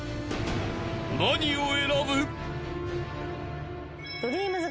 ［何を選ぶ？］